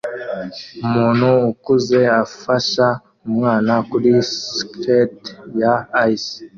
Umuntu ukuze afasha umwana kuri skate ya ice